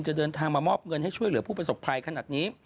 จะเดินทางมามอบเงินให้ช่วยเหลือผู้ประสบภัยขนาดนี้